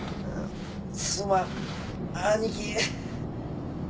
すまん兄貴。